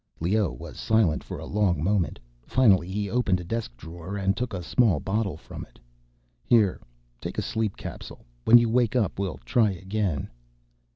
Leoh was silent for a long moment. Finally he opened a desk drawer and took a small bottle from it. "Here, take a sleep capsule. When you wake up we'll try again."